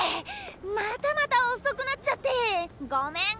またまた遅くなっちゃってごめんごめん。